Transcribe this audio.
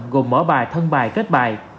gồm mở bài thân bài kết bài